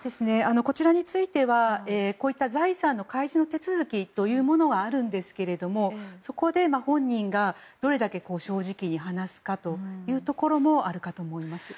こちらについては財産の開示の手続きというものはあるんですけれどもそこで本人が、どれだけ正直に話すかというところもあるかと思います。